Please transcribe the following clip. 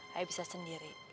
saya bisa sendiri